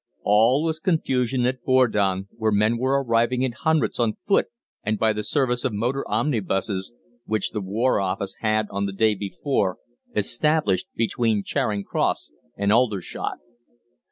All was confusion at Bordon, where men were arriving in hundreds on foot and by the service of motor omnibuses, which the War Office had on the day before established between Charing Cross and Aldershot.